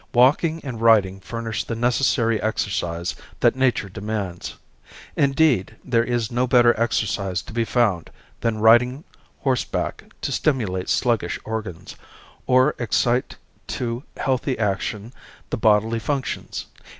Walking and riding furnish the necessary exercise that nature demands. Indeed, there is no better exercise to be found than riding horseback to stimulate sluggish organs, or excite to healthy action the bodily functions.